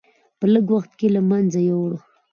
په لږ وخت کې له منځه یووړ.